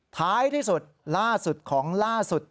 ท้ายที่สุดล่าสุดของล่าสุด